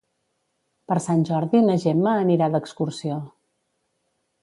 Per Sant Jordi na Gemma anirà d'excursió.